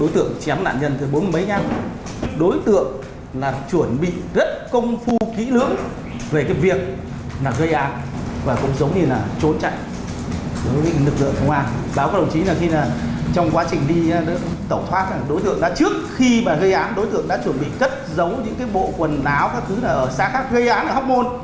trước khi gây án đối tượng đã chuẩn bị cất giấu những bộ quần áo các thứ ở xa khác gây án ở hóc môn